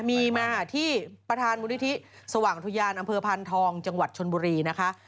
มีมาที่ประธานมูลนิธิสว่างอุทยานอำเภอพานทองจังหวัดชนบุรีนะคะ